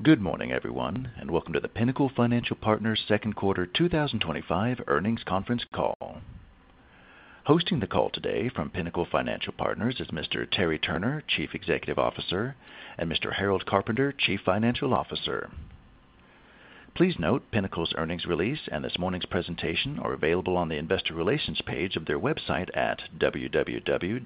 Good morning, everyone, and welcome to the Pinnacle Financial Partners Second Quarter twenty twenty five Earnings Conference Call. Hosting the call today from Pinnacle Financial Partners is Mr. Terry Turner, Chief Executive Officer Harold Carpenter, Chief Financial Officer. Please note Pinnacle's earnings release and this morning's presentation are available on the Investor Relations page of their website at www.pnfp.com.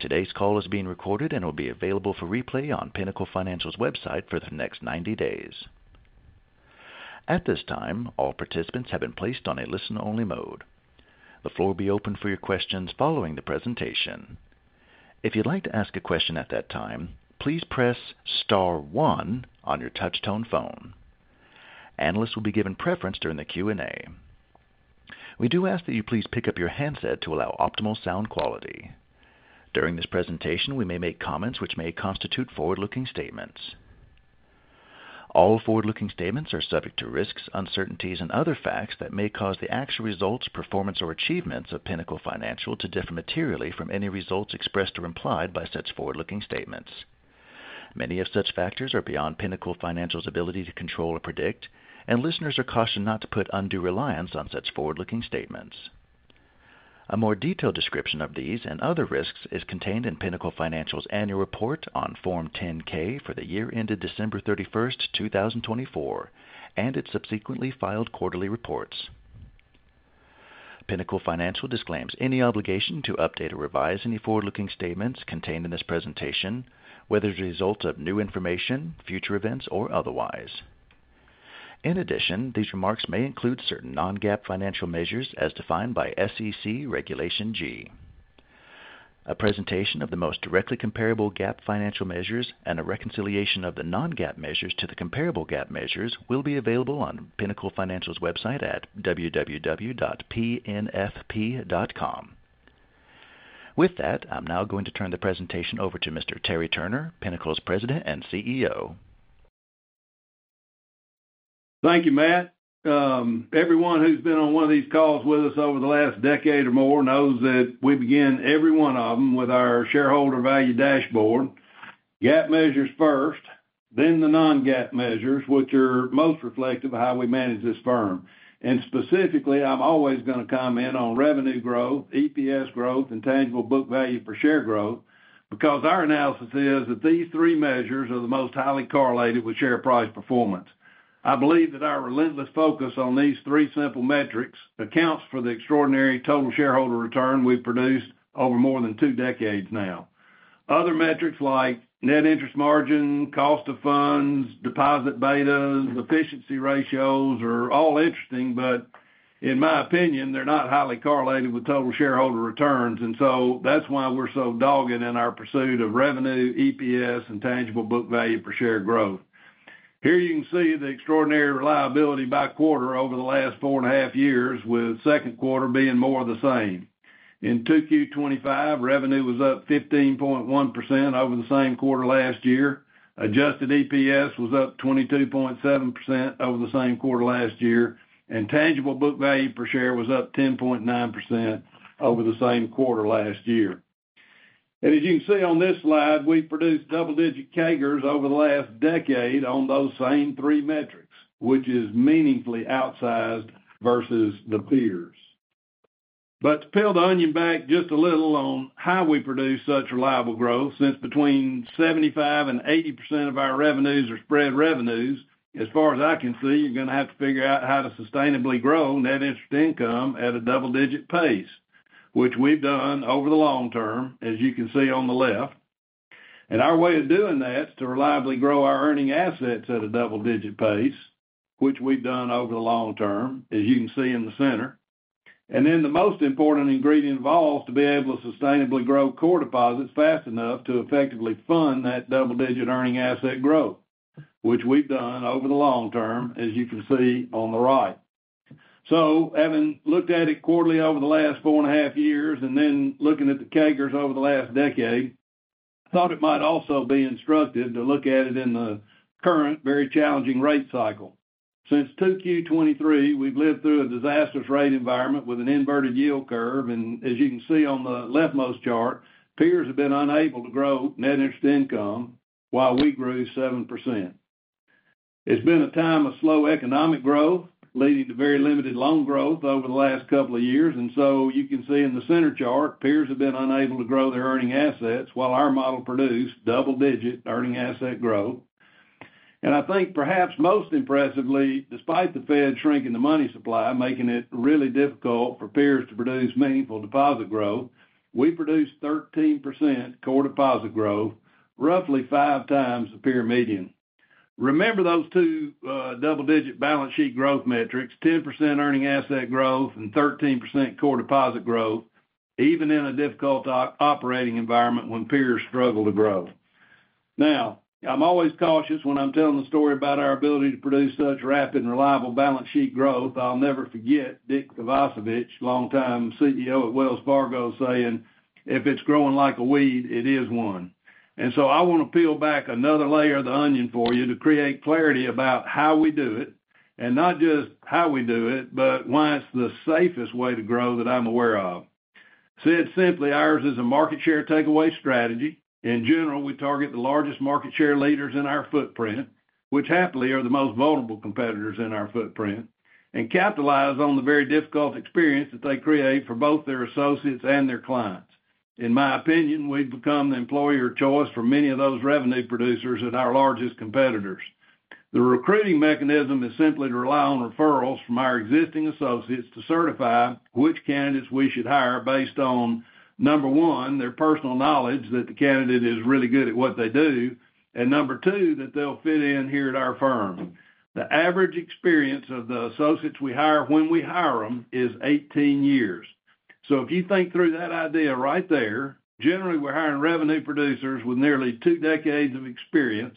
Today's call is being recorded and will be available for replay on Pinnacle Financial's website for the next ninety days. At this time, all participants have been placed on a listen only mode. The floor will be open for your questions following the presentation. If you'd like to ask a question at that time, please press star one on your touch tone phone. Analysts will be given preference during the Q and A. We do ask that you please pick up your handset to allow optimal sound quality. During this presentation, we may make comments which may constitute forward looking statements. All forward looking statements are subject to risks, uncertainties and other facts that may cause the actual results, performance or achievements of Pinnacle Financial to differ materially from any results expressed or implied by such forward looking statements. Many of such factors are beyond Pinnacle Financial's ability to control or predict, and listeners are cautioned not to put undue reliance on such forward looking statements. A more detailed description of these and other risks is contained in Pinnacle Financial's annual report on Form 10 ks for the year ended 12/31/2024, and its subsequently filed quarterly reports. Pinnacle Financial disclaims any obligation to update or revise any forward looking statements contained in this presentation, whether as a result of new information, future events or otherwise. In addition, these remarks may include certain non GAAP financial measures as defined by SEC Regulation G. A presentation of the most directly comparable GAAP financial measures and a reconciliation of the non GAAP measures to the comparable GAAP measures will be available on Pinnacle Financial's website at www.pnfp.com. With that, I'm now going to turn the presentation over to Mr. Terry Turner, Pinnacle's President and CEO. Thank you, Matt. Everyone who's been on one of these calls with us over the last decade or more knows that we begin every one of them with our shareholder value dashboard. GAAP measures first, then the non GAAP measures, which are most reflective of how we manage this firm. And specifically, I'm always going to comment on revenue growth, EPS growth, and tangible book value per share growth because our analysis is that these three measures are the most highly correlated with share price performance. I believe that our relentless focus on these three simple metrics accounts for the extraordinary total shareholder return we've produced over more than two decades now. Other metrics like net interest margin, cost of funds, deposit betas, efficiency ratios are all interesting, but in my opinion, they're not highly correlated with total shareholder returns. And so that's why we're so dogging in our pursuit of revenue, EPS, and tangible book value per share growth. Here you can see the extraordinary reliability by quarter over the last four and a half years with second quarter being more of the same. In 2Q twenty five, revenue was up 15.1% over the same quarter last year. Adjusted EPS was up 22.7 over the same quarter last year. And tangible book value per share was up 10.9% over the same quarter last year. And as you can see on this slide, we produced double digit CAGRs over the last decade on those same three metrics, which is meaningfully outsized versus the peers. But to peel the onion back just a little on how we produce such reliable growth since between 7580% of our revenues are spread revenues, as far as I can see, you're going to have to figure out how to sustainably grow net interest income at a double digit pace, which we've done over the long term as you can see on the left. And our way of doing that is to reliably grow our earning assets at a double digit pace, which we've done over the long term as you can see in the center. And then the most important ingredient involves to be able to sustainably grow core deposits fast enough to effectively fund that double digit earning asset growth, which we've done over the long term as you can see on the right. So having looked at it quarterly over the last four and a half years and then looking at the CAGRs over the last decade, I thought it might also be instructive to look at it in the current very challenging rate cycle. Since 2Q23, we've lived through a disastrous rate environment with an inverted yield curve. And as you can see on the leftmost chart, peers have been unable to grow net interest income while we grew 7%. It's been a time of slow economic growth leading to very limited loan growth over the last couple of years. And so you can see in the center chart, peers have been unable to grow their earning assets while our model produced double digit earning asset growth. And I think perhaps most impressively, despite the Fed shrinking the money supply, making it really difficult for peers to produce meaningful deposit growth, we produced 13% core deposit growth, roughly five times the peer median. Remember those two double digit balance sheet growth metrics, 10% earning asset growth and 13% core deposit growth even in a difficult operating environment when peers struggle to grow. Now, I'm always cautious when I'm telling the story about our ability to produce such rapid and reliable balance sheet growth. I'll never forget Dick Kvosovich, longtime CEO at Wells Fargo, if it's growing like a weed, it is one. And so I want to peel back another layer of the onion for you to create clarity about how we do it, and not just how we do it, but why it's the safest way to grow that I'm aware of. Said simply, ours is a market share takeaway strategy. In general, we target the largest market share leaders in our footprint, which happily are the most vulnerable competitors in our footprint, and capitalize on the very difficult experience that they create for both their associates and their clients. In my opinion, we've become the employer of choice for many of those revenue producers at our largest competitors. The recruiting mechanism is simply to rely on referrals from our existing associates to certify which candidates we should hire based on number one, their personal knowledge that the candidate is really good at what they do, and number two, that they'll fit in here at our firm. The average experience of the associates we hire when we hire them is eighteen years. So if you think through that idea right there, generally we're hiring revenue producers with nearly two decades of experience.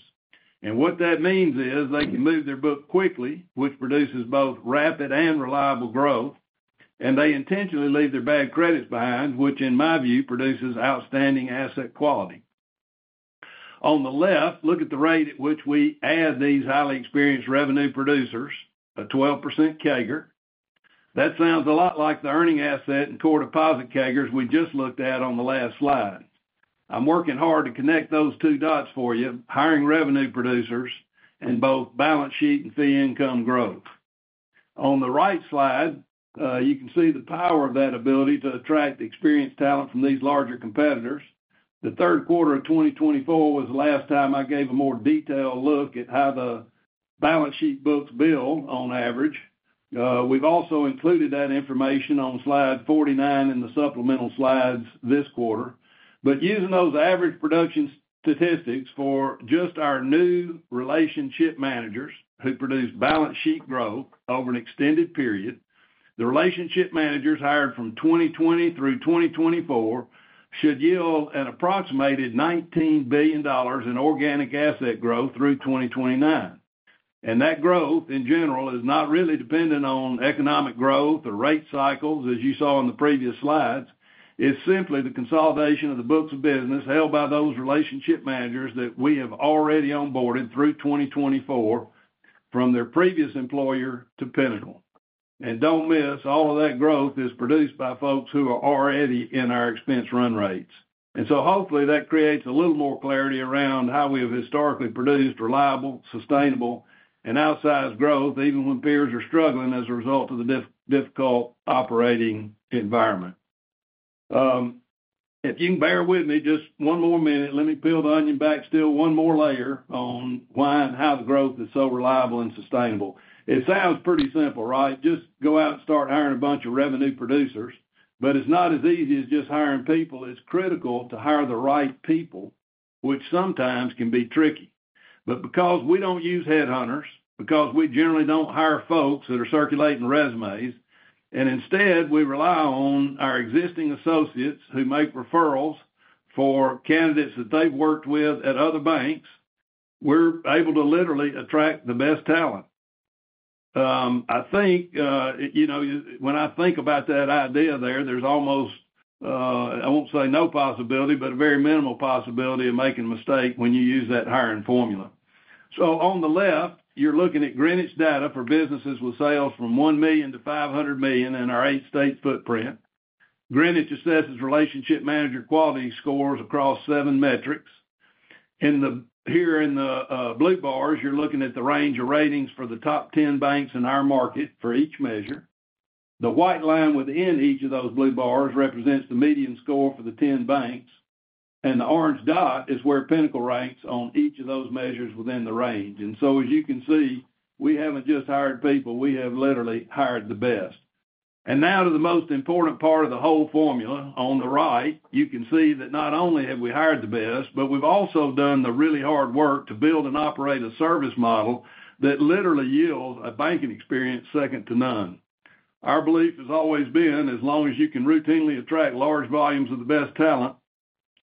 And what that means is they can move their book quickly, which produces both rapid and reliable growth, and they intentionally leave their bad credits behind, which in my view produces outstanding asset quality. On the left, look at the rate at which we add these highly experienced revenue producers, a 12% CAGR. That sounds a lot like the earning asset and core deposit CAGRs we just looked at on the last slide. I'm working hard to connect those two dots for you, hiring revenue producers and both balance sheet and fee income growth. On the right slide, you can see the power of that ability to attract experienced talent from these larger competitors. The 2024 was the last time I gave a more detailed look at how the balance sheet books bill on average. We've also included that information on slide 49 in the supplemental slides this quarter. But using those average production statistics for just our new relationship managers who produce balance sheet growth over an extended period, the relationship managers hired from 2020 through 2024 should yield an approximated $19,000,000,000 in organic asset growth through 2029. And that growth in general is not really dependent on economic growth or rate cycles as you saw in the previous slides. It's simply the consolidation of the books of business held by those relationship managers that we have already onboarded through 2024 from their previous employer to Pinnacle. And don't miss, all of that growth is produced by folks who are already in our expense run rates. And so hopefully that creates a little more clarity around how we have historically produced reliable, sustainable, and outsized growth even when peers are struggling as a result of the difficult operating environment. If you can bear with me just one more minute, let me peel the onion back still one more layer on why and how the growth is so reliable and sustainable. It sounds pretty simple, right? Just go out and start hiring a bunch of revenue producers. But it's not as easy as just hiring people. It's critical to hire the right people, which sometimes can be tricky. But because we don't use headhunters, because we generally don't hire folks that are circulating resumes, and instead we rely on our existing associates who make referrals for candidates that they've worked with at other banks, we're able to literally attract the best talent. I think, you know, when I think about that idea there, there's almost, I won't say no possibility, but very minimal possibility of making a mistake when you use that hiring formula. So on the left, you're looking at Greenwich data for businesses with sales from 1,000,000 to 500,000,000 in our eight state footprint. Greenwich assesses relationship manager quality scores across seven metrics. Here in the blue bars you're looking at the range of ratings for the top 10 banks in our market for each measure. The white line within each of those blue bars represents the median score for the 10 banks. And the orange dot is where Pinnacle ranks on each of those measures within the range. And so as you can see, we haven't just hired people, we have literally hired the best. And now to the most important part of the whole formula. On the right, you can see that not only have we hired the best, but we've also done the really hard work to build and operate a service model that literally yields a banking experience second to none. Our belief has always been as long as you can routinely attract large volumes of the best talent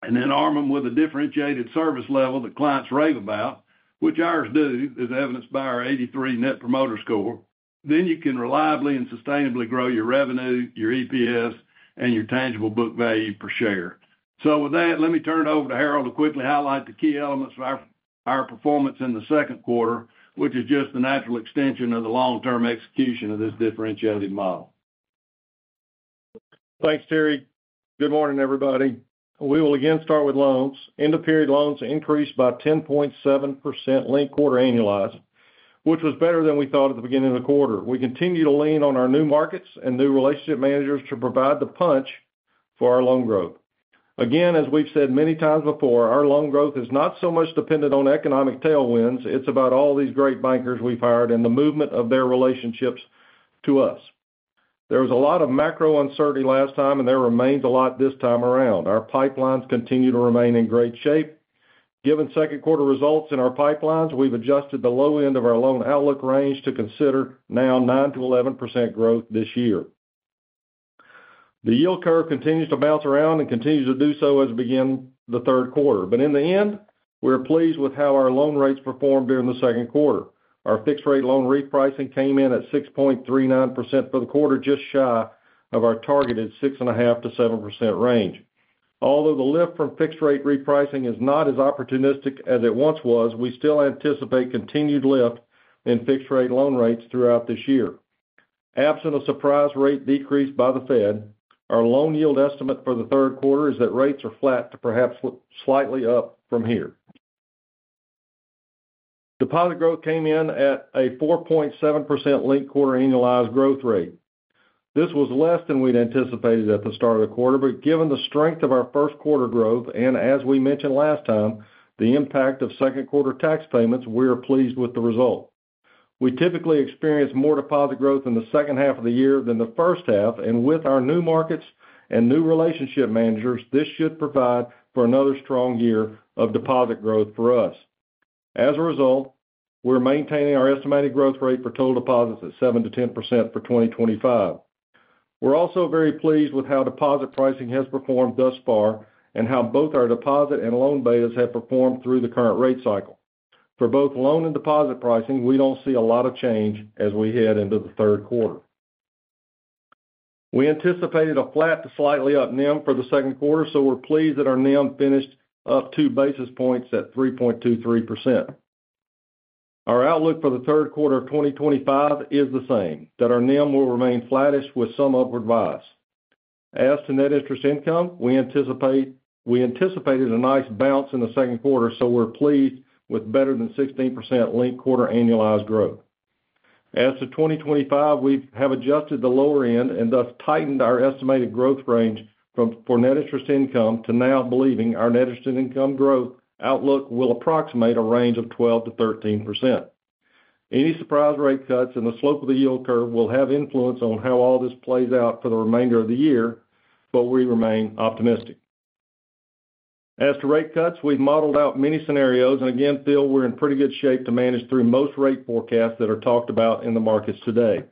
and then arm them with a differentiated service level that clients rave about, which ours do as evidenced by our 83 Net Promoter Score, then you can reliably and sustainably grow your revenue, your EPS, and your tangible book value per share. So with that, let me turn it over to Harold to quickly highlight the key elements of our performance in the second quarter, which is just the natural extension of the long term execution of this differentiated model. Thanks Terry. Good morning everybody. We will again start with loans. End of period loans increased by 10.7% linked quarter annualized, which was better than we thought at the beginning of the quarter. We continue to lean on our new markets and new relationship managers to provide the punch for our loan growth. Again, as we've said many times before, our loan growth is not so much dependent on economic tailwinds, it's about all these great bankers we've hired and the movement of their relationships to us. There was a lot of macro uncertainty last time and there remains a lot this time around. Our pipelines continue to remain in great shape. Given second quarter results in our pipelines, we've adjusted the low end of our loan outlook range to consider now 9% to 11% growth this year. The yield curve continues to bounce around and continues to do so as we begin the third quarter, but in the end we're pleased with how our loan rates performed during the second quarter. Our fixed rate loan repricing came in at 6.39% for the quarter just shy of our targeted 6.5% to 7% range. Although the lift from fixed rate repricing is not as opportunistic as it once was, we still anticipate continued lift in fixed rate loan rates throughout this year. Absent a surprise rate decrease by the Fed, our loan yield estimate for the third quarter is that rates are flat to perhaps slightly up from here. Deposit growth came in at a 4.7% linked quarter annualized growth rate. This was less than we'd anticipated at the start of the quarter, but given the strength of our first quarter growth and as we mentioned last time, the impact of second quarter tax payments, are pleased with the result. We typically experience more deposit growth in the second half of the year than the first half and with our new markets and new relationship managers, this should provide for another strong year of deposit growth for us. As a result, we're maintaining our estimated growth rate for total deposits at 7% to 10% for 2025. We're also very pleased with how deposit pricing has performed thus far and how both our deposit and loan betas have performed through the current rate cycle. For both loan and deposit pricing, we don't see a lot of change as we head into the third quarter. We anticipated a flat to slightly up NIM for the second quarter. So we're pleased that our NIM finished up two basis points at 3.23%. Our outlook for the 2025 is the same that our NIM will remain flattish with some upward bias. As to net interest income, we anticipated a nice bounce in the second quarter, so we're pleased with better than 16% linked quarter annualized growth. As to 2025, we have adjusted the lower end and thus tightened our estimated growth range for net interest income to now believing our net interest income growth outlook will approximate a range of 12% to 13%. Any surprise rate cuts in the slope of the yield curve will have influence on how all this plays out for the remainder of the year, but we remain optimistic. As to rate cuts, we've modeled out many scenarios and again feel we're in pretty good shape to manage through most rate forecasts that are talked about in the markets today.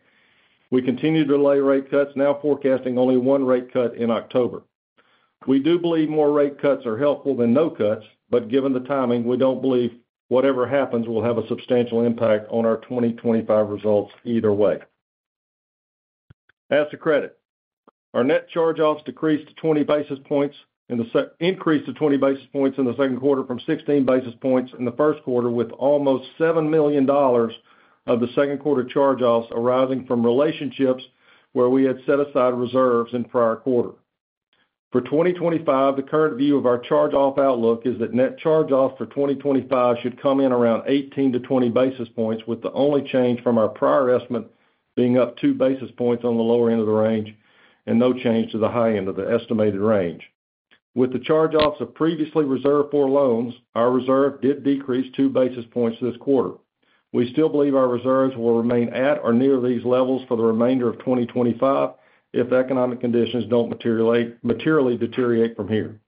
We continue to delay rate cuts now forecasting only one rate cut in October. We do believe more rate cuts are helpful than no cuts, but given the timing, we don't believe whatever happens will have a substantial impact on our 2025 results either way. Asset credit, Our net charge offs increased increased to 20 basis points in the second quarter from 16 basis points in the first quarter with almost $7,000,000 of the second quarter charge offs arising from relationships where we had set aside reserves in prior quarter. For 2025, the current view of our charge off outlook is that net charge off for 2025 should come in around 18 to 20 basis points with the only change from our prior estimate being up two basis points on the lower end of the range and no change to the high end of the estimated range. With the charge offs of previously reserved for loans, our reserve did decrease two basis points this quarter. We still believe our reserves will remain at or near these levels for the remainder of 2025 if economic conditions don't materially deteriorate from here.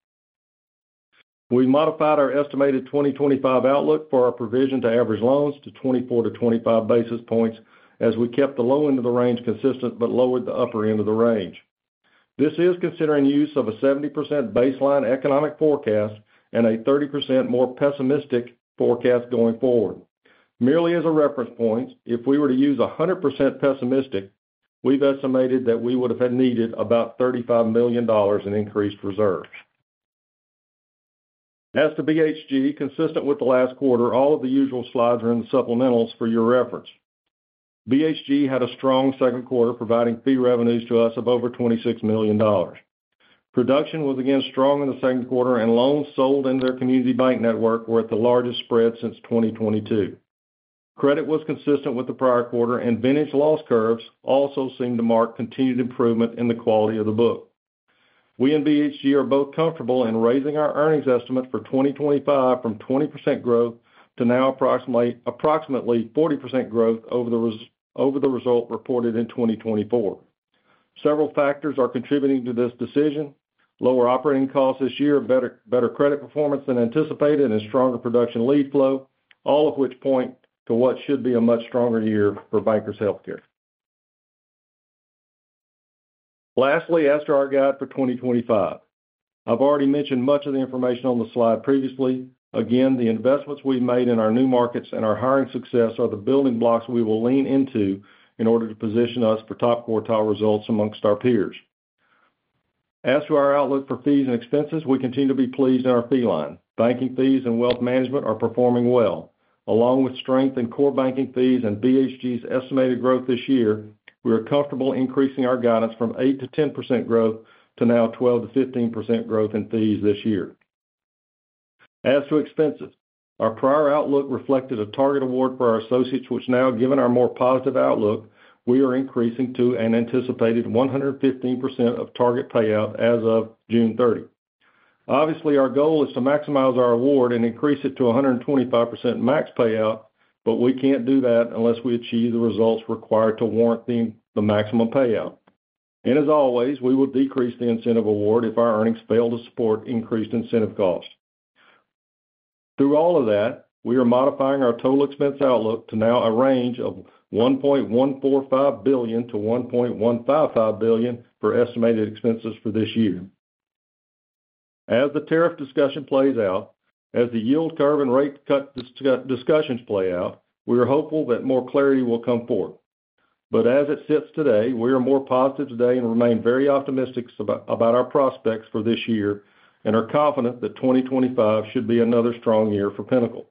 We modified our estimated 2025 outlook for our provision to average loans to 24 to 25 basis points as we kept the low end of the range consistent, but lowered the upper end of the range. This is considering use of a 70% baseline economic forecast and a 30% more pessimistic forecast going forward. Merely as a reference point, if we were to use a 100 pessimistic, we've estimated that we would have had needed about $35,000,000 consistent with the last quarter, all of the usual slides are in the supplementals for your reference. BHG had a strong second quarter providing fee revenues to us of over $26,000,000 Production was again strong in the second quarter and loans sold in their community bank network were at the largest spread since 2022. Credit was consistent with the prior quarter and vintage loss curves also seem to mark continued improvement in the quality of the book. We and BHG are both comfortable in raising our earnings estimate for 2025 from 20% growth to now approximately 40% growth over the over the result reported in 2024. Several factors are contributing to this decision, lower operating costs this year, better better credit performance than anticipated, and stronger production lead flow, all of which point to what should be a much stronger year for Bankers Healthcare. Lastly, as to our guide for 2025. I've already mentioned much of the information on the slide previously. Again, the investments we've made in our new markets and our hiring success are the building blocks we will lean into in order to position us for top quartile results amongst our peers. As to our outlook for fees and expenses, we continue to be pleased in our fee line. Banking fees and wealth management are performing well. Along with strength in core banking fees and BHG's estimated growth this year, we are comfortable increasing our guidance from 8% to 10% growth to now 12% to 15% growth in fees this year. As to expenses, our prior outlook reflected a target award for our associates, which now given our more positive outlook, we are increasing to an anticipated 115% of target payout as of June 30. Obviously, goal is to maximize our award and increase it to 125% max payout, but we can't do that unless we achieve the results required to warrant the maximum payout. And as always, we will decrease the incentive award if our earnings fail to support increased incentive costs. Through all of that, we are modifying our total expense outlook to now a range of $1,145,000,000 to $1,155,000,000 for estimated expenses for this year. As the tariff discussion plays out, as the yield curve and rate cut discussions play out, we are hopeful that more clarity will come forward. But as it sits today, we are more positive today and remain very optimistic about our prospects for this year and are confident that 2025 should be another strong year for Pinnacle.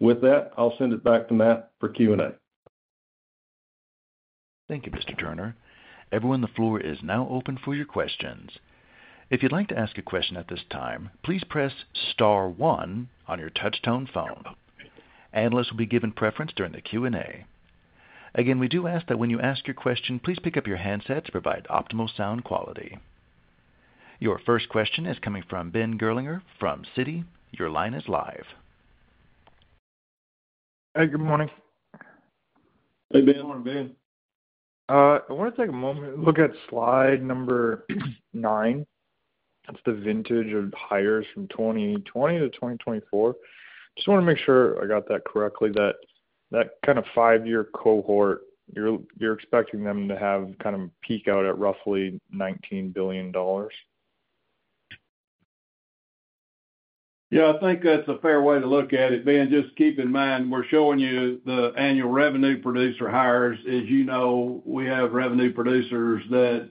With that, I'll send it back to Matt for Q and A. Thank you, Mr. Turner. Everyone, the floor is now open for your questions. Your first question is coming from Ben Gerlinger from Citi. Your line is live. Hey. Good morning. Hey, Ben. Good morning, Ben. I wanna take a moment to look at slide number nine. That's the vintage of hires from 2020 to 2024. Just want to make sure I got that correctly, kind of five year cohort you're expecting them to have kind of peak out at roughly $19,000,000,000 Yeah, I think that's a fair way to look at it, Ben. Just keep in mind, we're showing you the annual revenue producer hires. As you know, we have revenue producers that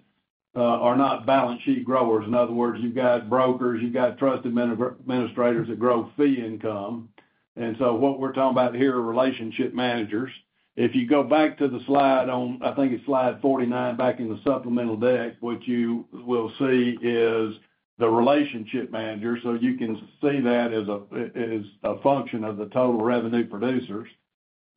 are not balance sheet growers. In other words, you've got brokers, you've got trusted administrators that grow fee income. And so what we're talking about here are relationship managers. If you go back to the slide on, I think it's slide 49 back in the supplemental deck, what you will see is the relationship manager. So you can see that as a function of the total revenue producers.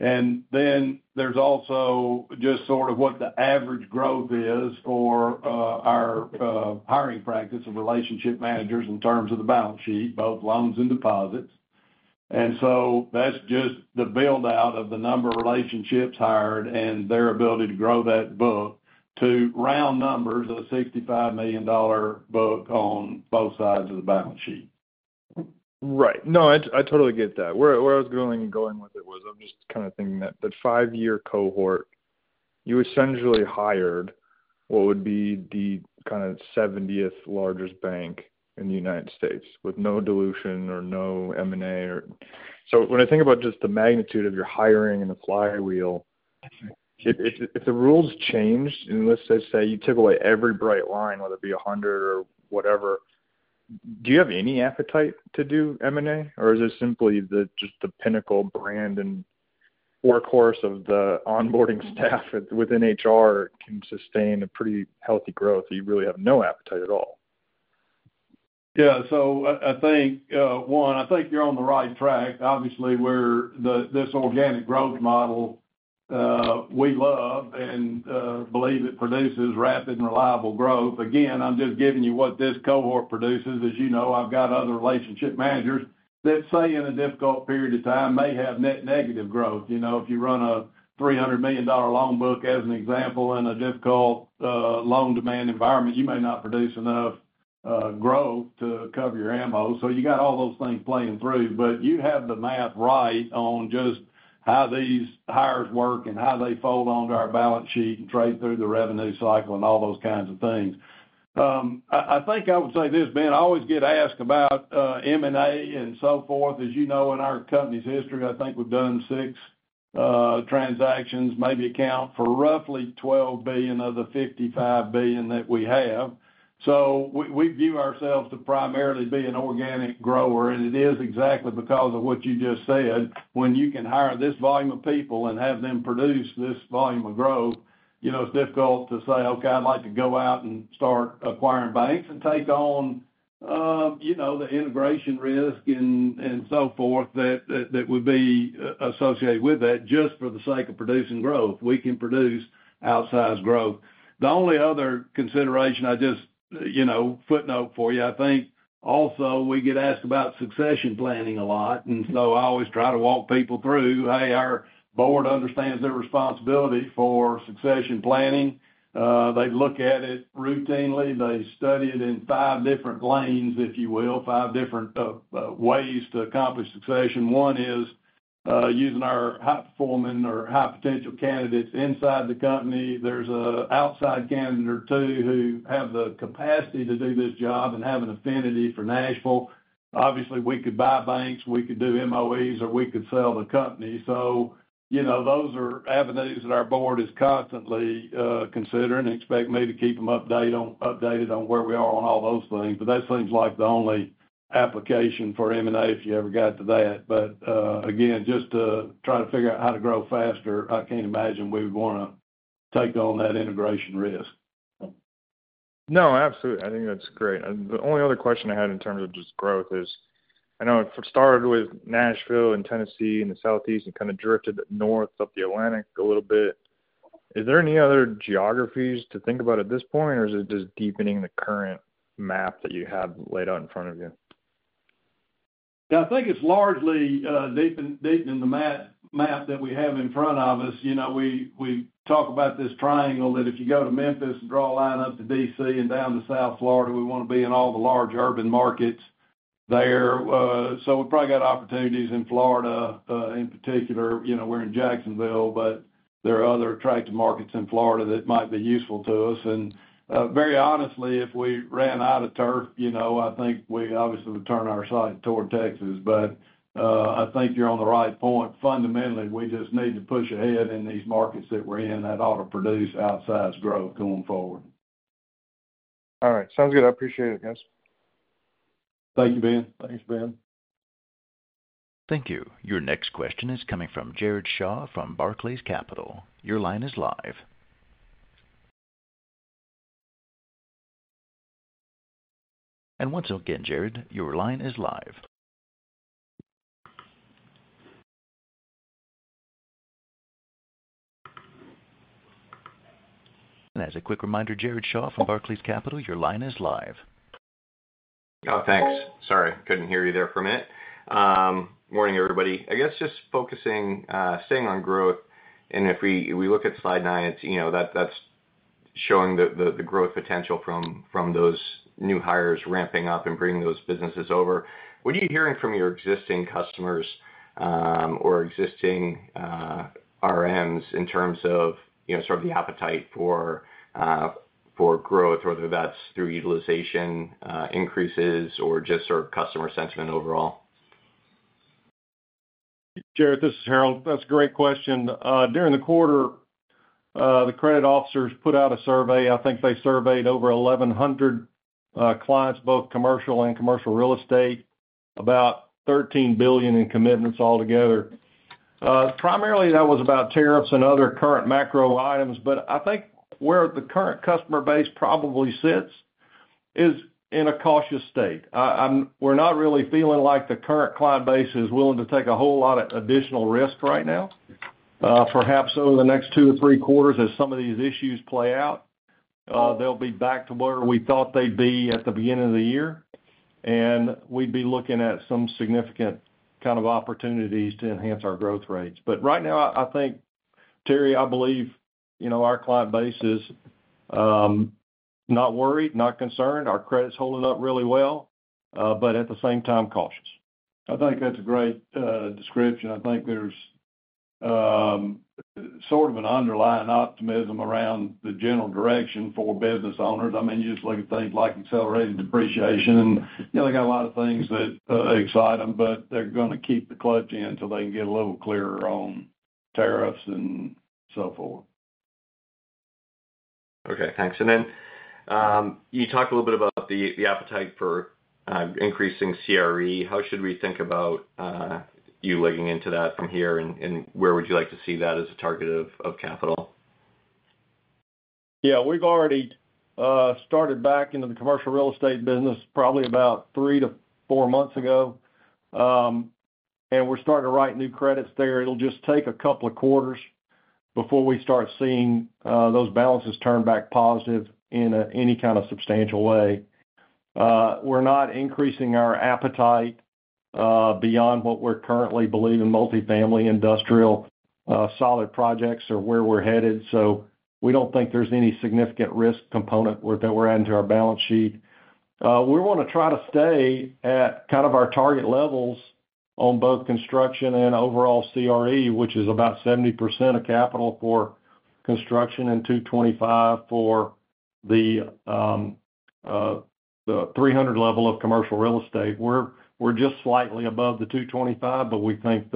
And then there's also just sort of what the average growth is for our hiring practice and relationship managers in terms of the balance sheet, both loans and deposits. And so that's just the build out of the number of relationships hired and their ability to grow that book to round numbers of $65,000,000 book on both sides of the balance sheet. Right. No. I I totally get that. Where where I was going going with it was I'm just kinda thinking that that five year cohort, you essentially hired what would be the kind of seventieth largest bank in The United States with no dilution or no m and a or so when I think about just the magnitude of your hiring and the flywheel, if if if the rules change and let's just say you took away every bright line, whether it be a 100 or whatever, do you have any appetite to do m and a, or is this simply the just the pinnacle brand and workhorse of the onboarding staff within HR can sustain a pretty healthy growth? You really have no appetite at all. Yeah, so I think, one, I think you're on the right track. Obviously, we're this organic growth model we love and believe it produces rapid and reliable growth. Again, I'm just giving you what this cohort produces. As you know, I've got other relationship managers that say in a difficult period of time may have net negative growth. You know, if you run a $300,000,000 loan book as an example in a difficult loan demand environment, you may not produce enough growth to cover your ammo. So you got all those things playing through, but you have the math right on just how these hires work and how they fold onto our balance sheet and trade through the revenue cycle and all those kinds of things. I think I would say this, Ben, I always get asked about M and A and so forth. As you know, in our company's history, think we've done six transactions, maybe account for roughly $12,000,000,000 of the $55,000,000,000 that we have. So we view ourselves to primarily be an organic grower and it is exactly because of what you just said. When you can hire this volume of people and have them produce this volume of growth, you know, it's difficult to say, okay, I'd like to go out and start acquiring banks and take on, you know, the integration risk and so forth that would be associated with that just for the sake of producing growth. We can produce outsized growth. The only other consideration I just footnote for you, think also we get asked about succession planning a lot. And so I always try to walk people through, hey, our board understands their responsibility for succession planning. They look at it routinely. They study it in five different lanes, if you will, five different ways to accomplish succession. One is using our high performing or high potential candidates inside the company. There's an outside candidate or two who have the capacity to do this job and have an affinity for Nashville. Obviously, we could buy banks, we could do MOEs or we could sell the company. So those are avenues that our board is constantly considering and expect me to keep them updated on where we are on all those things. But that seems like the only application for M and A if you ever got to that. But again, just to try to figure out how to grow faster. I can't imagine we would want to take on that integration risk. No, absolutely. I think that's great. The only other question I had in terms of just growth is, I know it started with Nashville and Tennessee in the Southeast and kind of drifted North Of The Atlantic a little bit. Is there any other geographies to think about at this point or is it just deepening the current map that you have laid out in front of you? I think it's largely deep in the map that we have in front of us. We talk about this triangle that if you go to Memphis and draw a line up to DC and down to South Florida, want to be in all the large urban markets there. So we probably got opportunities in Florida in particular. You know, we're in Jacksonville, but there are other attractive markets in Florida that might be useful to us. And very honestly, if we ran out of turf, I think we obviously would turn our site toward Texas. But I think you're on the right point. Fundamentally, we just need to push ahead in these markets that we're in that ought to produce outsized growth going forward. Alright, sounds good. I appreciate it guys. Thank you, Ben. Thanks, Ben. Thank you. Your next question is coming from Jared Shaw from Barclays Capital. Your line is live. And once again, Jared, your line is live. And as a quick reminder, Jared Shaw from Barclays Capital, your line is live. Oh, thanks. Sorry. Couldn't hear you there for a minute. Morning, everybody. I guess just focusing, staying on growth. And if we we look at slide nine, it's, you know, that that's showing the the the growth potential from from those new hires ramping up and bringing those businesses over. What are you hearing from your existing customers or existing RMs in terms of, you know, sort of the appetite for growth, whether that's through utilization increases or just sort of customer sentiment overall? Jared, this is Harold. That's a great question. During the quarter, the credit officers put out a survey. I think they surveyed over 1,100 clients, both commercial and commercial real estate, about 13,000,000,000 in commitments altogether. Primarily that was about tariffs and other current macro items, but I think where the current customer base probably sits is in a cautious state. We're not really feeling like the current client base is willing to take a whole lot of additional risk right now. Perhaps over the next two or three quarters as some of these issues play out, they'll be back to where we thought they'd be at the beginning of the year, and we'd be looking at some significant kind of opportunities to enhance our growth rates. But right now, I think, Terry, I believe our client base is not worried, not concerned. Our credit is holding up really well, but at the same time cautious. I think that's a great description. I think there's sort of an underlying optimism around the general direction for business owners. I mean, you just look at things like accelerated depreciation and they got a lot of things that excite them, but they're going to keep the clutch in until they can get a little clearer on tariffs and so forth. Okay. Thanks. And then you talked a little bit about the appetite for increasing CRE. How should we think about you looking into that from here and where would you like to see that as a target of capital? Yeah. We've already started back into the commercial real estate business probably about three to four months ago, and we're starting to write new credits there. It'll just take a couple of quarters before we start seeing those balances turn back positive in any kind of substantial way. We're not increasing our appetite beyond what we're currently believing multifamily industrial solid projects are where we're headed, so we don't think there's any significant risk component that we're adding to our balance sheet. We want to try to stay at kind of our target levels on both construction and overall CRE, which is about 70% of capital for construction and two twenty five for the 300 level of commercial real estate. We're just slightly above the two twenty five, but we think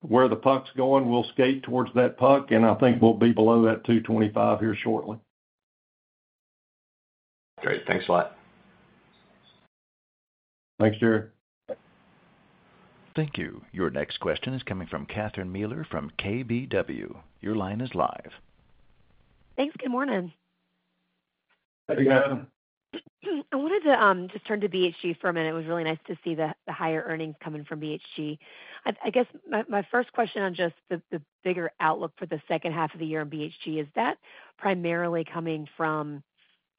where the puck's going, we'll skate towards that puck, and I think we'll be below that two twenty five here shortly. Great. Thanks a lot. Thanks, Jerry. Thank you. Your next question is coming from Kathryn Mealor from KBW. Your line is live. Thanks. Good morning. Hi, Kathryn. I wanted to just turn to BHG for a minute, it was really nice to see the higher earnings coming from BHG. Guess my first question on just the bigger outlook for the second half of the year in BHG, is that primarily coming from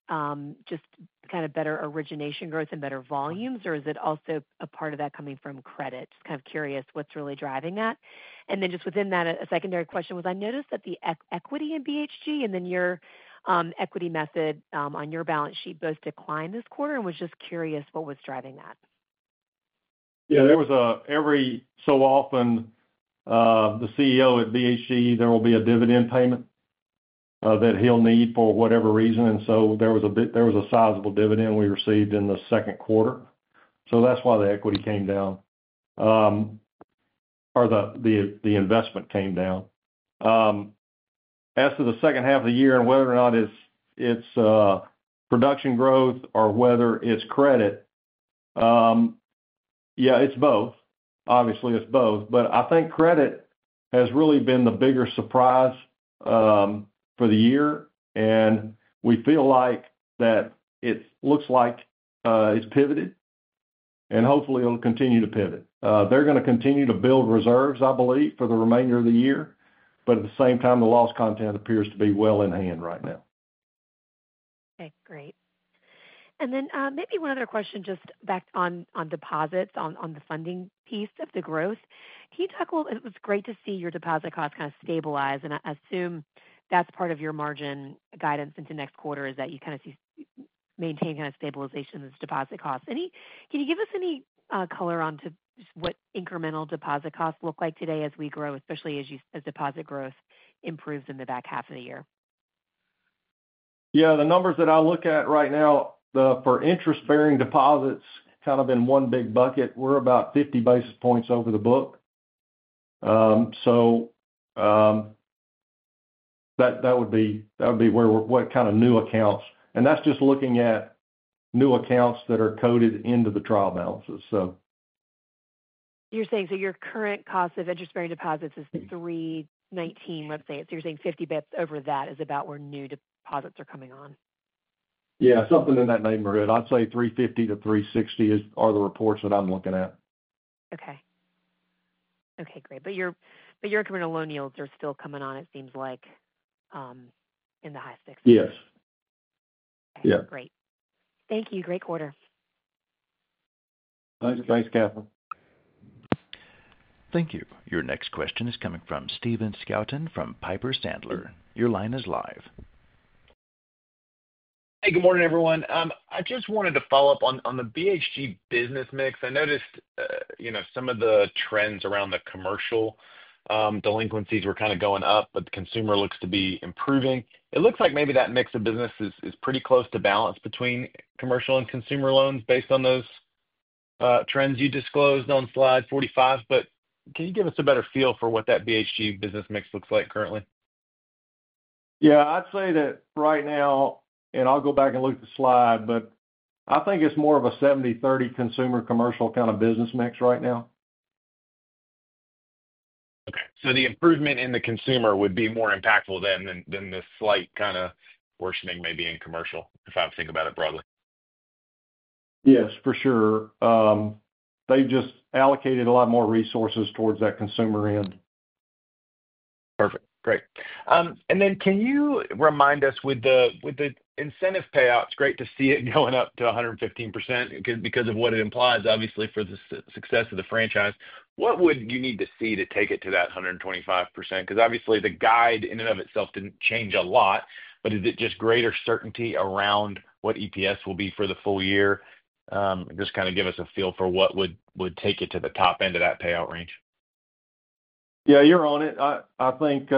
kind of better origination growth and better volumes or is it also a part of that coming from credit? Just kind of curious what's really driving that. And then just within that, a secondary question was I noticed that the equity in BHG and then your equity method on your balance sheet both declined this quarter. Was just curious what was driving that. Yeah, there was a every so often, the CEO at BHG, there will be a dividend payment that he'll need for whatever reason, and so there was a sizable dividend we received in the second quarter. So that's why the equity came down or the investment came down. As for the second half of the year and whether or not it's production growth or whether it's credit, yeah, it's both. Obviously it's both, but I think credit has really been the bigger surprise for the year and we feel like that it looks like it's pivoted and hopefully it'll continue to pivot. They're gonna continue to build reserves, believe, for the remainder of the year, but at the same time, the loss content appears to be well in hand right now. Okay, great. And then maybe one other question just back on deposits on the funding piece of the growth. Can you talk a little it was great to see your deposit costs kind of stabilize and I assume that's part of your margin guidance into next quarter is that you kind of see maintain kind of stabilization as deposit costs. Can you give us any color on what incremental deposit costs look like today as we grow, especially as deposit growth improves in the back half of the year? Yeah, the numbers that I look at right now for interest bearing deposits kind of in one big bucket, we're about 50 basis points over the book. So that would be what kind of new accounts, and that's just looking at new accounts that are coded into the trial balances. You're saying your current cost of interest bearing deposits is $3.19, so you're saying 50 bps over that is about where new deposits are coming on? Yeah. Something in that neighborhood. I'd say $3.50 to $3.60 is are the reports that I'm looking at. Okay. Okay. Great. But your but your current loan yields are still coming on, it seems like, in the high six. Yes. Great. Thank you. Great quarter. Thanks Catherine. Thank you. Your next question is coming from Steven Scouten from Piper Sandler. Your line is live. Hey, good morning, everyone. I just wanted to follow-up on the BHG business mix. I noticed, some of the trends around the commercial, delinquencies were kind of going up, but the consumer looks to be improving. It looks like maybe that mix of business is pretty close to balance between commercial and consumer loans based on those trends you disclosed on slide 45. But can you give us a better feel for what that BHG business mix looks like currently? Yeah, I'd say that right now, and I'll go back and look at the slide, but I think it's more of a seventy, thirty consumer commercial kind of business mix right now. Okay. So the improvement in the consumer would be more impactful than than than the slight kinda worsening maybe in commercial, if I'm thinking about it broadly? Yes. For sure. They've just allocated a lot more resources towards that consumer end. Perfect. Great. And then can you remind us with incentive payouts, great to see it going up to 115% because of what it implies, obviously, for the success of the franchise. What would you need to see to take it to that 125%? Because obviously, the guide in and of itself didn't change a lot. But is it just greater certainty around what EPS will be for the full year? Just kind of give us a feel for what would take it to the top end of that payout range. Yeah, you're on it. I think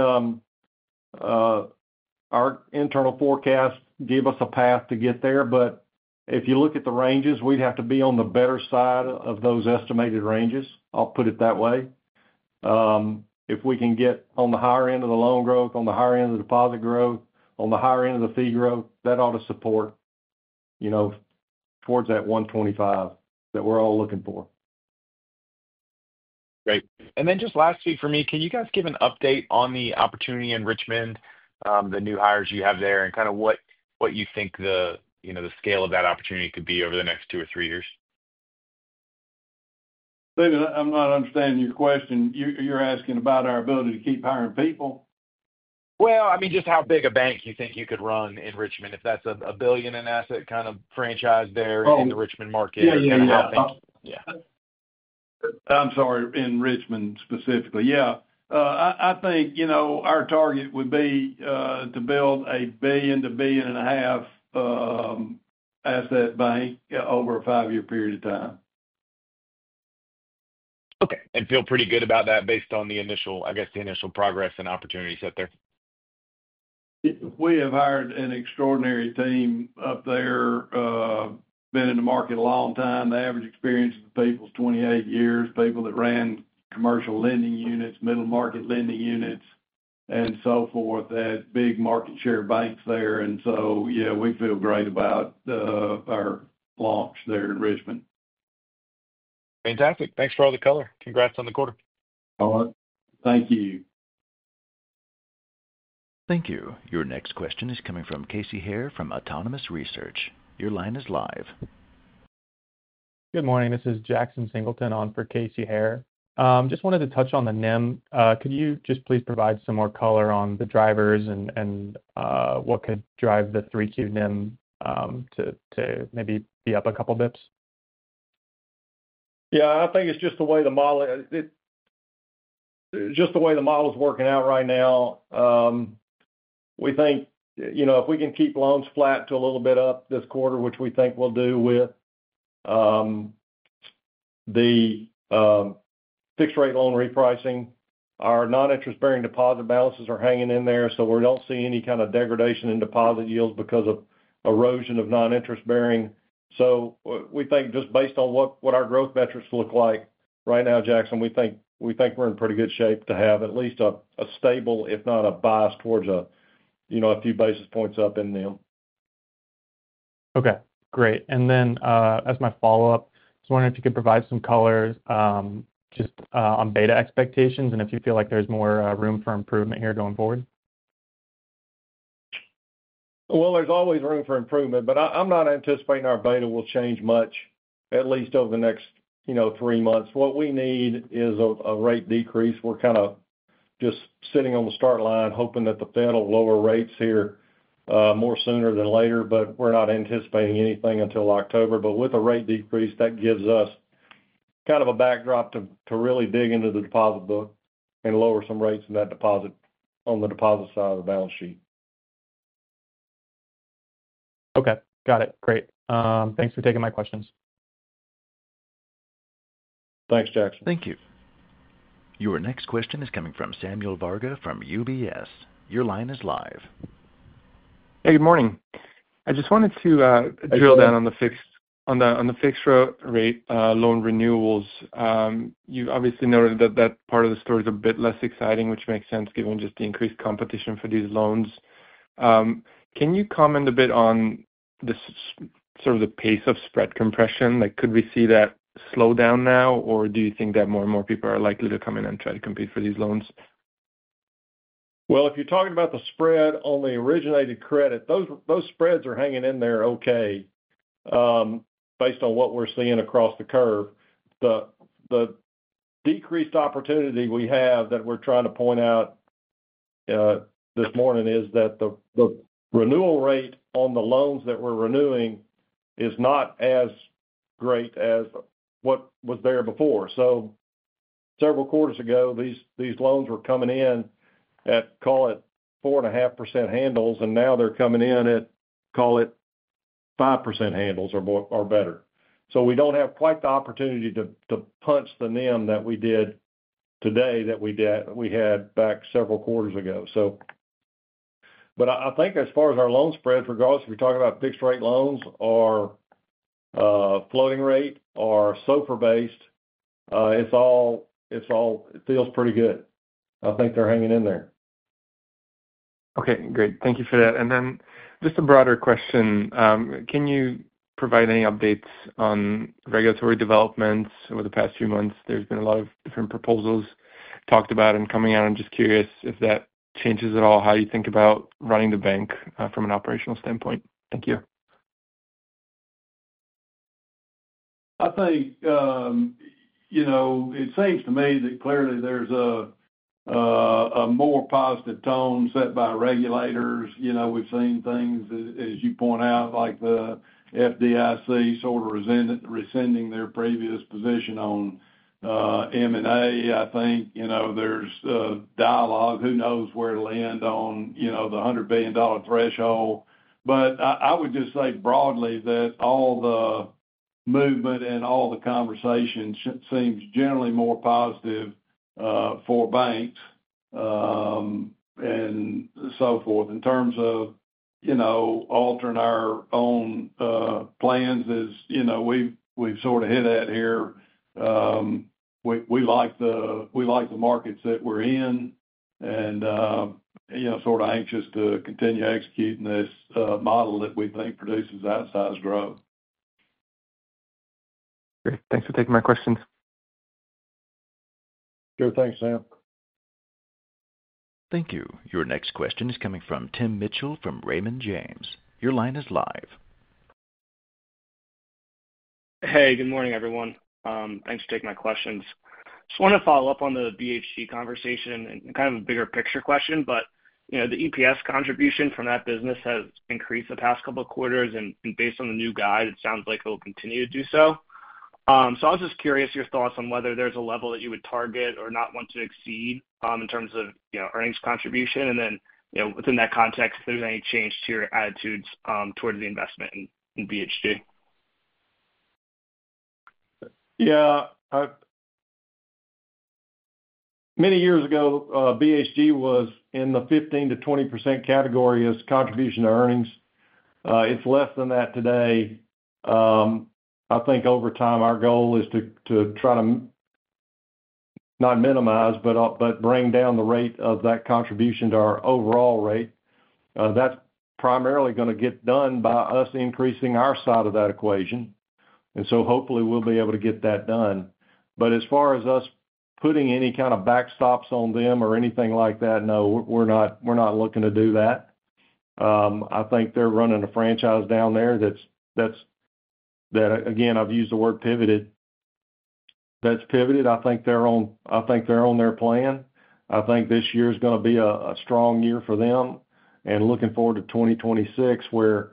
our internal forecast give us a path to get there. But if you look at the ranges, we'd have to be on the better side of those estimated ranges. I'll put it that way. If we can get on the higher end of the loan growth, on the higher end of the deposit growth, on the higher end of the fee growth, that ought to support, you know, towards that 125 that we're all looking for. Great. And then just lastly for me, can you guys give an update on the opportunity in Richmond, the new hires you have there, and kind of what what you think the, you know, the scale of that opportunity could be over the next two or three years? David, I'm not understanding your question. You're asking about our ability to keep hiring people? Well, I mean, just how big a bank you think you could run-in Richmond, if that's a billion in asset kind of franchise there in the Richmond market. Yeah. Yeah. I'm sorry. In Richmond specifically. Yeah. I think, you know, our target would be to build a billion to billion and a half asset bank over a five year period of time. Okay. And feel pretty good about that based on the initial, I guess, the initial progress and opportunities out there? We have hired an extraordinary team up there, been in the market a long time. The average experience of the people is twenty eight years, people that ran commercial lending units, middle market lending units and so forth that big market share banks there. And so, yeah, we feel great about our launch there in Richmond. Fantastic. Thanks for all the color. Congrats on the quarter. Thank you. Thank you. Your next question is coming from Casey Haire from Autonomous Research. Your line is live. Good morning. This is Jackson Singleton on for Casey Hair. Just wanted to touch on the NIM. Could you just please provide some more color on the drivers and what could drive the 3Q NIM to maybe be up a couple of bps? Yeah, think it's just the way the model is working out right now. We think, you know, if we can keep loans flat to a little bit up this quarter, which we think we'll do with fixed rate loan repricing. Our non interest bearing deposit balances are hanging in there, so we don't see any kind of degradation in deposit yields because of erosion of non interest bearing. So we think just based on what our growth metrics look like right now, Jackson, we think we're in pretty good shape to have at least a stable if not a bias towards a few basis points up in NIM. Okay, great. And then as my follow-up, I was wondering if you could provide some color just on beta expectations and if you feel like there's more room for improvement here going forward. Well, there's always room for improvement, but I'm not anticipating our beta will change much at least over the next three months. What we need is a rate decrease. We're kind of just sitting on the start line hoping that the Fed will lower rates here more sooner than later, but we're not anticipating anything until October. But with a rate decrease, that gives us kind of a backdrop to really dig into the deposit book and lower some rates on the deposit side of the balance sheet. Okay, got it. Great. Thanks for taking my questions. Thanks, Jackson. Thank you. Your next question is coming from Samuel Varga from UBS. Your line is live. Hey, good morning. Just wanted to drill down on the fixed rate loan renewals. You obviously noted that that part of the story is a bit less exciting, which makes sense given just the increased competition for these loans. Can you comment a bit on the sort of the pace of spread compression? Like could we see that slow down now or do you think that more and more people are likely to come in and try to compete for these loans? Well, if you're talking about the spread on the originated credit, those spreads are hanging in there okay, based on what we're seeing across the curve. The decreased opportunity we have that we're trying to point out this morning is that the renewal rate on the loans that we're renewing is not as great as what was there before. So several quarters ago, loans were coming in at call it 4.5% handles and now they're coming in at call it 5% handles or more or better. So we don't have quite the opportunity to punch the NIM that we did today that we did, we had back several quarters ago. So, but I think as far as our loan spreads, regardless, we're talking about fixed rate loans or floating rate or SOFR based, feels pretty good. I think they're hanging in there. Okay, great. Thank you for that. And then just a broader question. Can you provide any updates on regulatory developments over the past few months? There's been a lot of different proposals talked about and coming out. I'm just curious if that changes at all how you think about running the bank from an operational standpoint. Thank you. I think, you know, it seems to me that clearly there's a more positive tone set by regulators. You know, we've seen things as you point out, like the FDIC sort of rescinding their previous position on M and A. I think there's a dialogue who knows where to land on the $100,000,000,000 threshold. But I would just say broadly that all the movement and all the conversations seems generally more positive for banks and so forth in terms of altering our own plans is, we've sort of hit that here. We like the markets that we're in and sort of anxious to continue executing this model that we think produces outsized growth. Thanks for taking my questions. Sure. Thanks, Sam. Thank you. Your next question is coming from Tim Mitchell from Raymond James. Your line is live. Hey, good morning, everyone. Thanks for taking my questions. Just want to follow-up on the BHT conversation and kind of a bigger picture question, but the EPS contribution from that business has increased the past couple of quarters. And based on the new guide, it sounds like it will continue to do so. So, I was just curious your thoughts on whether there's a level that you would target or not want to exceed in terms of earnings contribution. And then within that context, if there's any change to your attitudes towards the investment in BHG. Yeah. Many years ago, BHG was in the 15 to 20% category as contribution to earnings. It's less than that today. I think over time our goal is to try to not minimize, but bring down the rate of that contribution to our overall rate. That's primarily going to get done by us increasing our side of that equation, and so hopefully we'll be able to get that done. But as far as us putting any kind of backstops on them or anything like that, no, we're not looking to do that. I think they're running a franchise down there that's that again, I've used the word pivoted. That's pivoted. I think they're on I think they're on their plan. I think this year is going to be a strong year for them and looking forward to 2026 where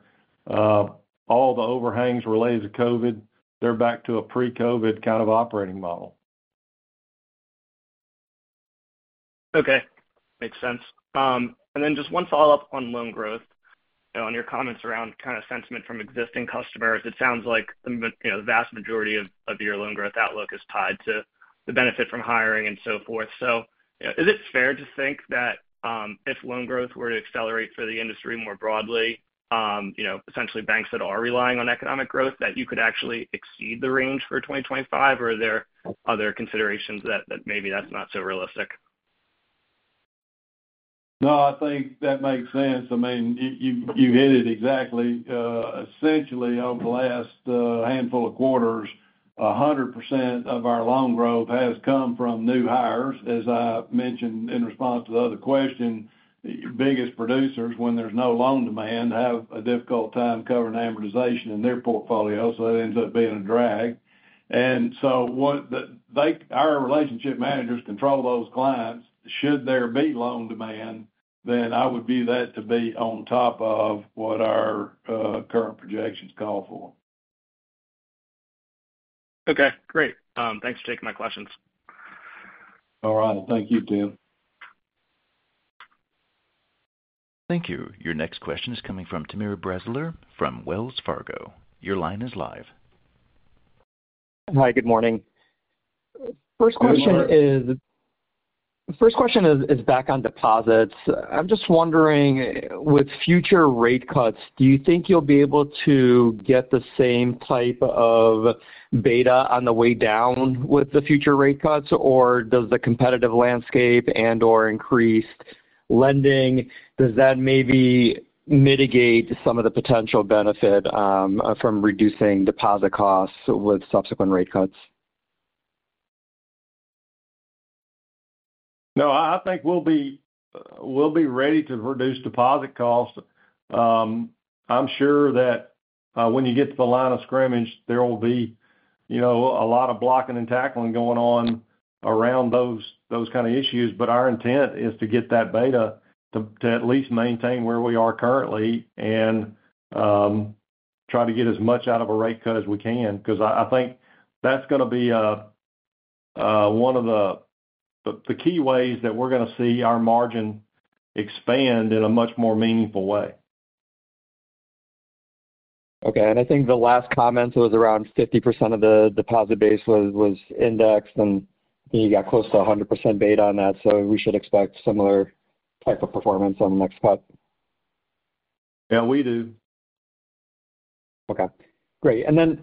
all the overhangs related to COVID, they're back to a pre COVID kind of operating model. Okay. Makes sense. And then just one follow-up on loan growth. On your comments around kind of sentiment from existing customers, it sounds like the vast majority of your loan growth outlook is tied to the benefit from hiring and so forth. So is it fair to think that if loan growth were to accelerate for the industry more broadly, essentially banks that are relying on economic growth, that you could actually exceed the range for 2025? Or are there other considerations that maybe that's not so realistic? No, I think that makes sense. I mean, you hit it exactly. Essentially over the last handful of quarters, 100% of our loan growth has come from new hires. As I mentioned in response to the other question, the biggest producers when there's no loan demand have a difficult time covering amortization in their portfolio. So that ends up being a drag. And so what our relationship managers control those clients should there be loan demand, then I would view that to be on top of what our current projections call for. Okay, great. Thanks for taking my questions. All right. Thank you, Tim. Thank you. Your next question is coming from Tamir Bresler from Wells Fargo. Your line is live. Hi, good morning. First question is back on deposits. I'm just wondering with future rate cuts, do you think you'll be able to get the same type of beta on the way down with the future rate cuts? Or does the competitive landscape and or increased lending, does that maybe mitigate some of the potential benefit from reducing deposit costs with subsequent rate cuts? No, I think we'll be ready to reduce deposit costs. I'm sure that when you get to the line of scrimmage, there will be a lot of blocking and tackling going on around those kinds of issues, but our intent is to get that beta to at least maintain where we are currently and try to get as much out of a rate cut as we can because I think that's going to be one of the key ways that we're gonna see our margin expand in a much more meaningful way. Okay, and I think the last comment was around 50% of the deposit base was indexed and you got close to a 100% beta on that. So we should expect similar type of performance on the next spot. Yeah. We do. Okay. Great. And then,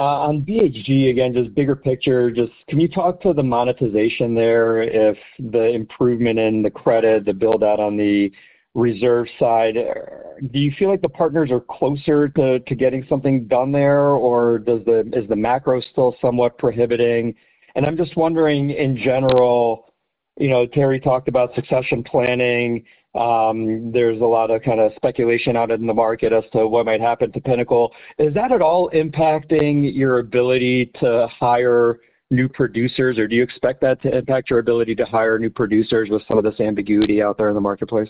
on BHG, again, just bigger picture. Just can you talk to the monetization there if the improvement in the credit, build out on the reserve side? Do you feel like the partners are closer to getting something done there? Or does the is the macro still somewhat prohibiting? And I'm just wondering in general, Terry talked about succession planning. There's a lot of kind of speculation out in the market as to what might happen to Pinnacle. Is that at all impacting your ability to hire new producers or do you expect that to impact your ability to hire new producers with some of this ambiguity out there in the marketplace?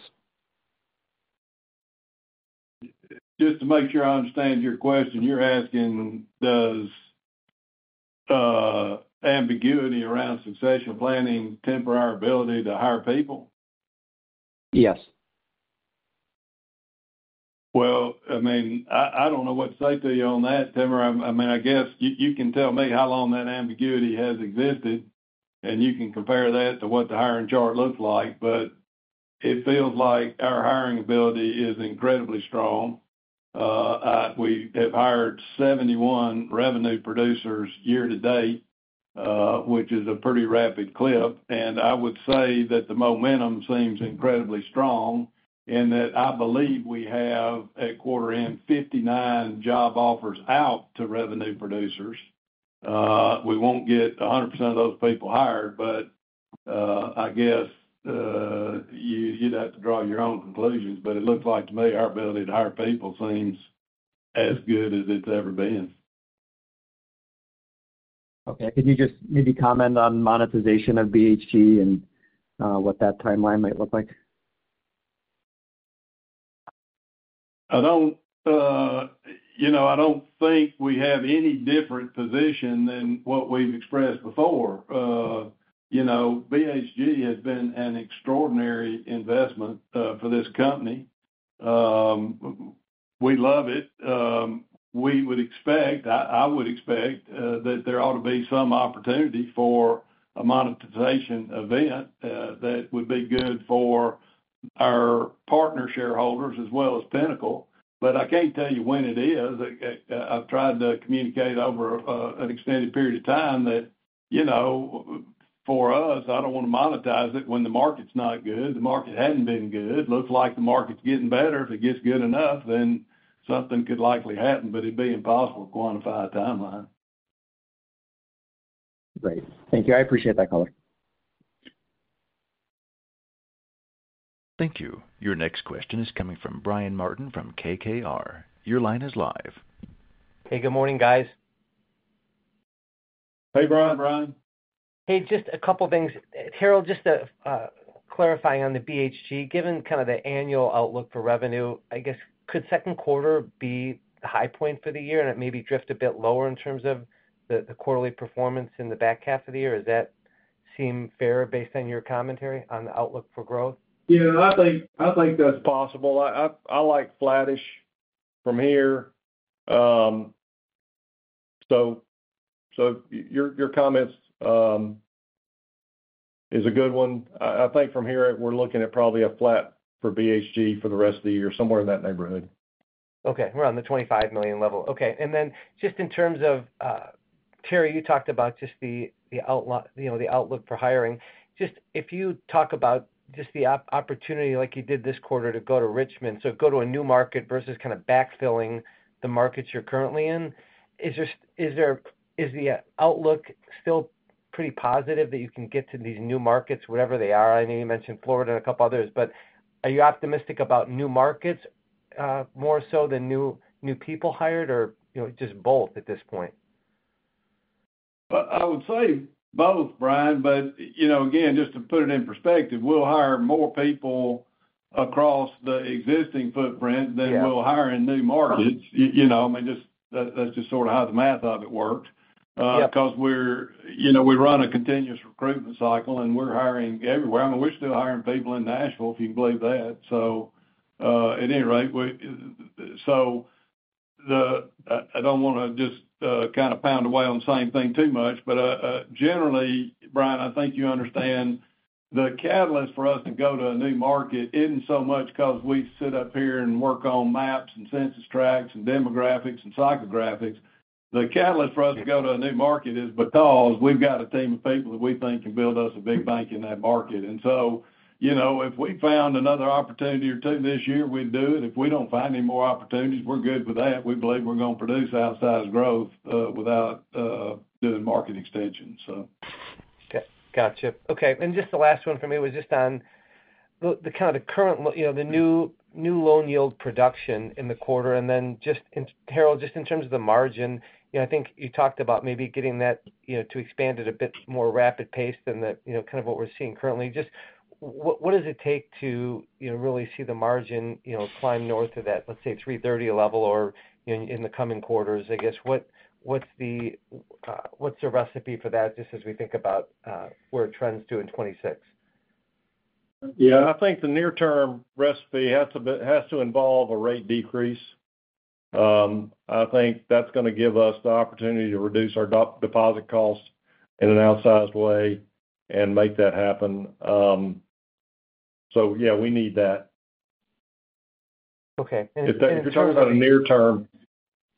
Just to make sure I understand your question, you're asking does ambiguity around succession planning temper our ability to hire people? Yes. Well, I mean, I don't know what to say to you on that, Timur. I mean, I guess you can tell me how long that ambiguity has existed and you can compare that to what the hiring chart looks like. But it feels like our hiring ability is incredibly strong. We have hired 71 revenue producers year to date, which is a pretty rapid clip. And I would say that the momentum seems incredibly strong and that I believe we have a quarter end 59 job offers out to revenue producers. We won't get 100% of those people hired, but I guess you'd have to draw your own conclusions, but it looks like to me our ability to hire people seems as good as it's ever been. Okay, could you just maybe comment on monetization of BHG and what that timeline might look like? I don't think we have any different position than what we've expressed before. BHG has been an extraordinary investment for this company. We love it. We would expect, I would expect that there ought to be some opportunity for a monetization event that would be good for our partner shareholders as well as Pinnacle. But I can't tell you when it is. I've tried to communicate over an extended period of time that, you know, for us, I don't want to monetize it when the market's not good. The market hasn't been good. It looks like the market's getting better. If it gets good enough, then something could likely happen, but it'd be impossible to quantify a timeline. Great. Thank you. I appreciate that color. Thank you. Your next question is coming from Brian Martin from KKR. Your line is live. Hey, good morning, guys. Hey, Brian. Hey, Brian. Hey. Just a couple of things. Harold, just clarifying on the BHG. Given kind of the annual outlook for revenue, I guess, could second quarter be the high point for the year and it maybe drift a bit lower in terms of the quarterly performance in the back half of the year? Is that seem fair based on your commentary on the outlook for growth? Yeah, I think that's possible. I like flattish from here. So your comments is a good one. I think from here, we're looking at probably a flat for BHG for the rest of the year, somewhere in that neighborhood. Okay, we're on the 25,000,000 level. Okay, and then just in terms of Terry, you talked about just the outlook for hiring. Just if you talk about just the opportunity like you did this quarter to go to Richmond, so go to a new market versus kind of backfilling the markets you're currently Is the outlook still pretty positive that you can get to these new markets, whatever they are? I know you mentioned Florida and a couple others. But are you optimistic about new markets more so than new people hired? Or just both at this point? I would say both, Brian. But again, just to put it in perspective, we'll hire more people across the existing footprint than we'll hire in new markets. That's just sort of how the math of it works. Because we run a continuous recruitment cycle and we're hiring everywhere. I mean, we're still hiring people in Nashville if you believe that. So at any rate, so I don't want to just of pound away on the same thing too much, but generally, Brian, I think you understand the catalyst for us to go to a new market isn't so much because we sit up here and work on maps and census tracks and demographics and psychographics. The catalyst for us to go to a new market is because we've got a team of people that we think can build us a big bank in that market. And so if we found another opportunity or two this year, we'd do it. If we don't find any more opportunities, we're good with that. We believe we're going to produce outsized growth without doing market extensions. Got you. Okay. And just the last one for me was just on the kind of the current the new loan yield production in the quarter. And then just Harold, just in terms of the margin, I think you talked about maybe getting that to expand at a bit more rapid pace than kind of what we're seeing currently. Just what does it take to really see the margin climb north of that, let's say, three thirty level or in the coming quarters? I guess what's the recipe for that just as we think about where trends do in '26? Yeah, I think the near term recipe has to involve a rate decrease. I think that's going to give us the opportunity to reduce our deposit costs in an outsized way and make that happen. So yeah, we need that. Okay. You're talking about a near term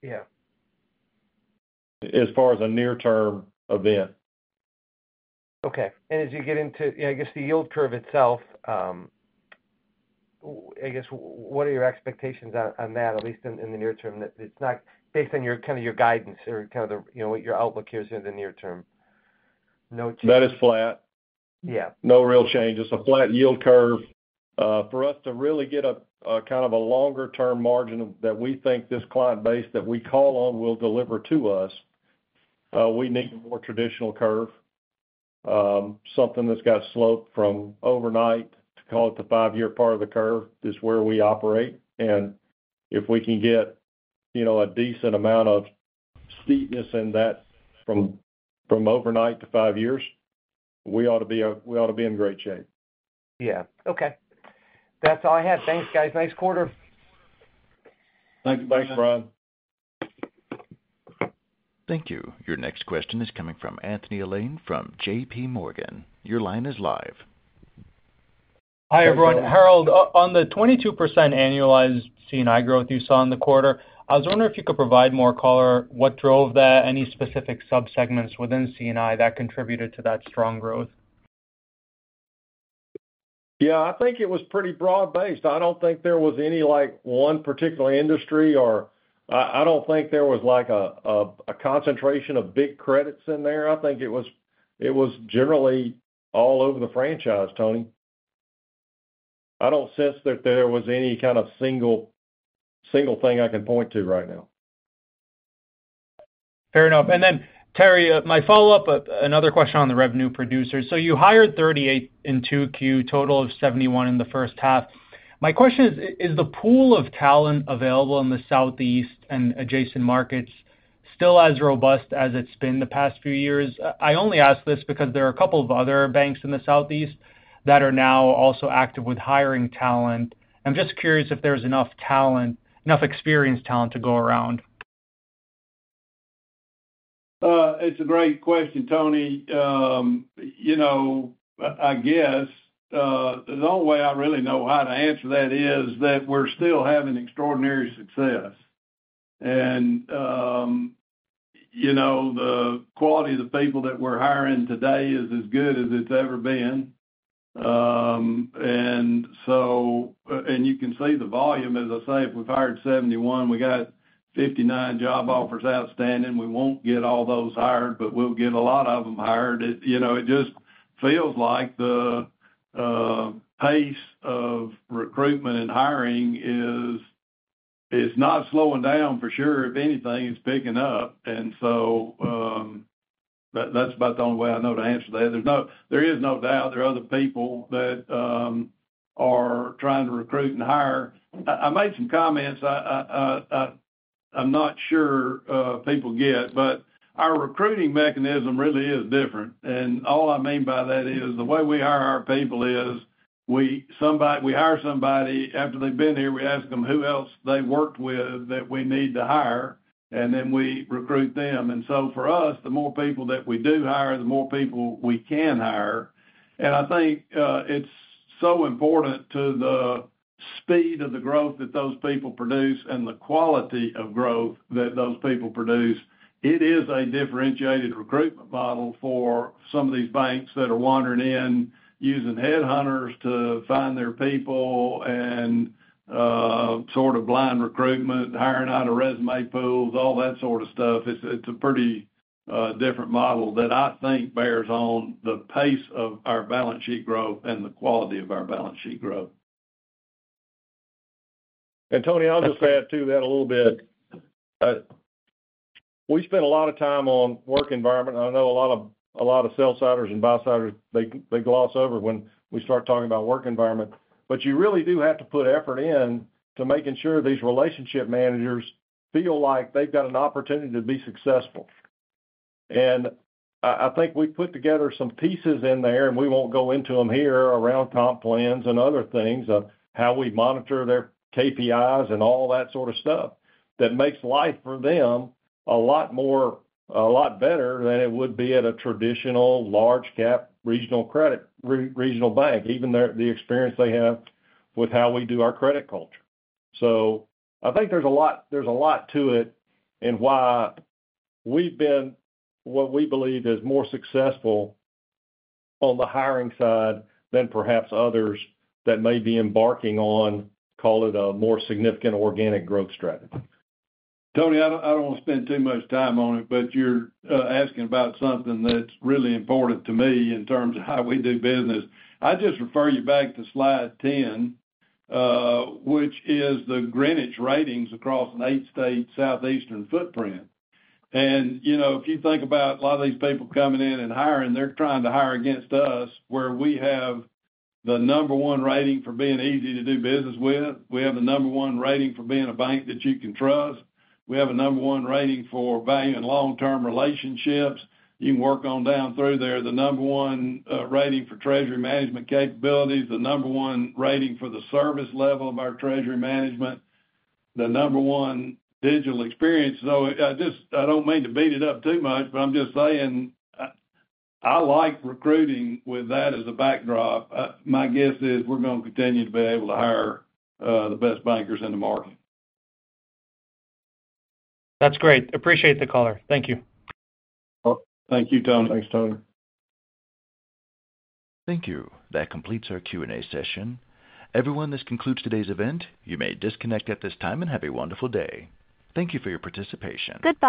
Yeah. As far as a near term event. Okay. And as you get into, I guess, the yield curve itself, I guess, what are your expectations on that, at least in the near term, that it's not based on your kind of your guidance or kind of what your outlook here is in the near term? That is flat. Yeah. No real changes, a flat yield curve for us to really get a kind of a longer term margin that we think this client base that we call on will deliver to us. We need more traditional curve, something that's got slope from overnight call it the five year part of the curve is where we operate. And if we can get a decent amount of steepness in that from overnight to five years, we ought to be in great shape. Yeah. Okay. That's all I had. Thanks, guys. Nice quarter. Thanks, Brian. Thank you. Your next question is coming from Anthony Elaine from JPMorgan. Your line is live. Hi, everyone. Harold, on the 22% annualized C and I growth you saw in the quarter, I was wondering if you could provide more color what drove that? Any specific sub segments within C and I that contributed to that strong growth? Yeah, I think it was pretty broad based. I don't think there was any like one particular industry or I don't think there was like a concentration of big credits in there. I think it was generally all over the franchise, Tony. I don't sense that there was any kind of single thing I can point to right now. Fair enough. And then Terry, my follow-up, another question on the revenue producers. So you hired 38 in 2Q, total of 71 in the first half. My question is, is the pool of talent available in the Southeast and adjacent markets still as robust as it's been the past few years? I only ask this because there are a couple of other banks in the Southeast that are now also active with hiring talent. I'm just curious if there's enough talent, enough experienced talent to go around. It's a great question, Tony. I guess the only way I really know how to answer that is that we're still having extraordinary success. And, you know, the quality of the people that we're hiring today is as good as it's ever been. And and you can see the volume, as I say, if we've hired 71, we got 59 job offers outstanding. We won't get all those hired, but we'll get a lot of them hired. You know, it just feels like the pace of recruitment and hiring is not slowing down for sure if anything is picking up. And so that's about the only way I know to answer that. There's no, there is no doubt there are other people that are trying to recruit and hire. I made some comments I'm not sure people get, but our recruiting mechanism really is different. And all I mean by that is the way we hire our people is we hire somebody after they've been here, we ask them who else they worked with that we need to hire and then we recruit them. And so for us, the more people that we do hire, the more people we can hire. And I think it's so important to the speed of the growth that those people produce and the quality of growth that those people produce. It is a differentiated recruitment model for some of these banks that are wandering in using headhunters to find their people and sort of blind recruitment, hiring out of resume pools, all that sort of stuff. It's a pretty different model that I think bears on the pace of our balance sheet growth and the quality of our balance sheet growth. And Tony, I'll just add to that a little bit. We spent a lot of time on work environment. I know a lot of sales siders and buy siders, they gloss over when we start talking about work environment. But you really do have to put effort in to making sure these relationship managers feel like they've got an opportunity to be successful. And I think we put together some pieces in there and we won't go into them here around comp plans and other things of how we monitor their KPIs and all that sort of stuff that makes life for them a lot more a lot better than it would be at a traditional large cap regional credit regional bank, even the experience they have with how we do our credit culture. So I think there's a lot to it and why we've been what we believe is more successful on the hiring side than perhaps others that may be embarking on, call it a more significant organic growth strategy. Tony, I don't want to spend too much time on it, but you're asking about something that's really important to me in terms of how we do business. I just refer you back to slide 10, which is the Greenwich ratings across an eight state Southeastern footprint. And if you think about a lot of these people coming in and hiring, they're trying to hire against us where we have the number one rating for being easy to do business with. We have the number one rating for being a bank that you can trust. We have a number one rating for value and long term relationships. You can work on down through there. The number one rating for treasury management capabilities, the number one rating for the service level of our treasury management, the number one digital experience. So I just, I don't mean to beat it up too much, but I'm just saying I like recruiting with that as a backdrop. My guess is we're going to continue to be able to hire the best bankers in the market. That's great. Appreciate the color. Thank you. Thank you, Tony. Thanks, Tony. Thank you. That completes our Q and A session. Everyone, this concludes today's event. You may disconnect at this time, and have a wonderful day. Thank you for your participation. Goodbye.